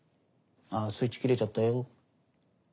あぁスイッチ切れちゃったよ。